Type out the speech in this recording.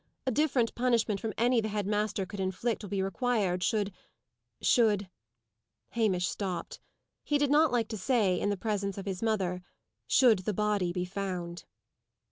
"A different punishment from any the head master could inflict will be required, should should " Hamish stopped. He did not like to say, in the presence of his mother, "should the body be found."